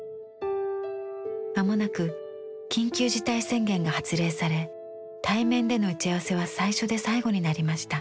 間もなく緊急事態宣言が発令され対面での打ち合わせは最初で最後になりました。